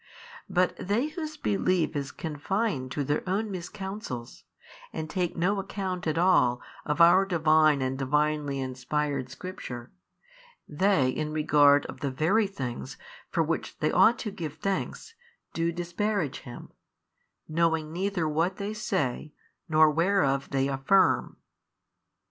But they whose belief is confined to their own mis counsels, and take no account at all of our Divine and Divinely inspired Scripture; they in regard of the very things for which they ought to give thanks, do disparage Him, knowing neither what they say, nor whereof they affirm.